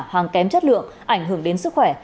hàng kém chất lượng ảnh hưởng đến sức khỏe